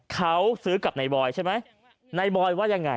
เขาซื้อกับนายบอยใช่ไหมนายบอยว่ายังไง